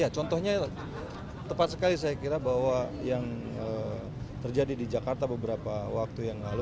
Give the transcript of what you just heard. contohnya tepat sekali saya kira bahwa yang terjadi di jakarta beberapa waktu yang lalu